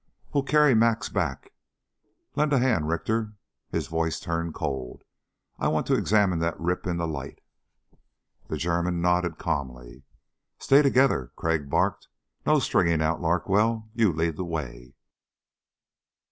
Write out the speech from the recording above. "We'll carry Max back. Lend a hand, Richter." His voice turned cold. "I want to examine that rip in the light." The German nodded calmly. "Stay together," Crag barked. "No stringing out Larkwell, you lead the way."